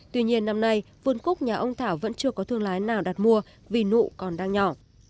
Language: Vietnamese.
tuy nhiên năm nay vườn cúc nhà ông thảo vẫn chưa có thương lái nào đặt mua vì nụ còn đang nhỏ